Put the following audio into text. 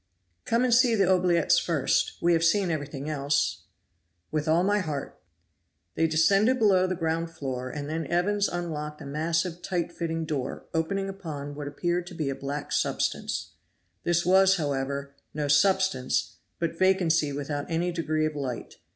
"Come and see the oubliettes first. We have seen everything else." "With all my heart!" They descended below the ground floor, and then Evans unlocked a massive tight fitting door opening upon what appeared to be a black substance; this was, however, no substance but vacancy without any degree of light.